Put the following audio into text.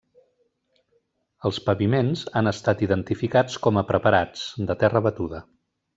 Els paviments han estat identificats com a preparats, de terra batuda.